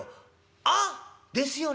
「ああっですよね？